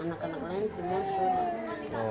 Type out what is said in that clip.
anak anak lain semua sudah tahu